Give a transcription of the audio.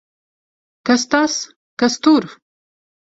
Kas tas! Kas tur!